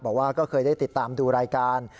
บอกว่าก็เคยได้ติดตามดูรายการ